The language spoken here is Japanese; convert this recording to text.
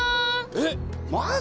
えっ？